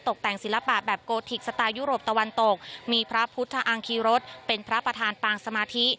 ตกแต่งศิลปะแบบโกธิกสไตล์ยุโรปตะวันตกมีพระพุทธอังคีรสเป็นพระประธานปางสมาธิ